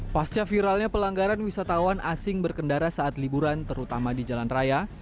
pasca viralnya pelanggaran wisatawan asing berkendara saat liburan terutama di jalan raya